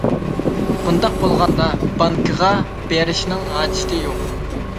بۇنداق بولغاندا بانكىغا بېرىشنىڭ ھاجىتى يوق!